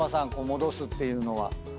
戻すっていうのは。